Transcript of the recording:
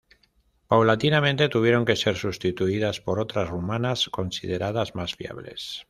Paulatinamente, tuvieron que ser sustituidas por otras rumanas, consideradas más fiables.